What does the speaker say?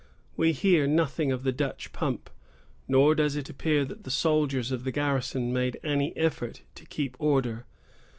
We hear nothing of the Dutch pump, nor does it appear that the soldiers of the garrison made any effort to keep order.